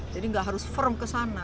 jadi tidak harus firm ke sana